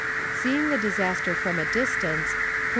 Seeing the disaster from a distance, Col.